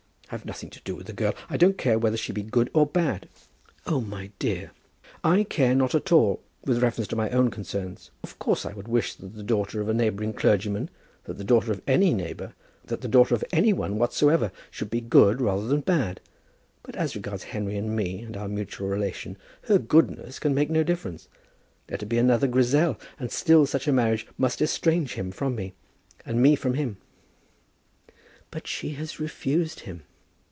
"I've nothing to do with the girl. I don't care whether she be good or bad." "Oh, my dear!" "I care not at all, with reference to my own concerns. Of course I would wish that the daughter of a neighbouring clergyman, that the daughter of any neighbour, that the daughter of any one whatsoever, should be good rather than bad. But as regards Henry and me, and our mutual relation, her goodness can make no difference. Let her be another Grizel, and still such a marriage must estrange him from me, and me from him." "But she has refused him."